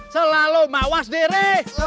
selalu mawas diri